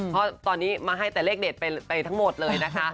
เพราะตอนนี้มาให้แต่เลขเด็ดไปทั้งหมดเลยนะคะ